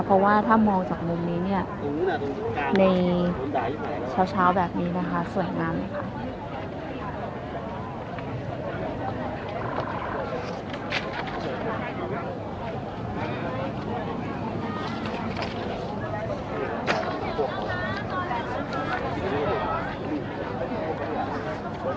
เพราะว่าถ้ามองจากมุมนี้เนี่ยในเช้าแบบนี้นะคะสวยงามเลยค่ะ